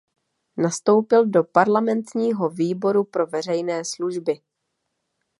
Nastoupil do parlamentního výboru pro veřejné služby.